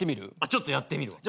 ちょっとやってみるわ。